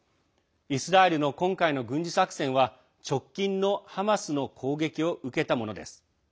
イスラエルの今回の軍事作戦は直近のハマスの攻撃を受けたものです。